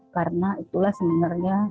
karena itulah sebenarnya